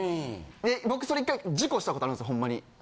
で僕それ一回事故したことあるんですほんまに。